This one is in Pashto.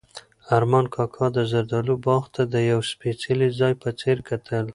ارمان کاکا د زردالو باغ ته د یو سپېڅلي ځای په څېر کتل.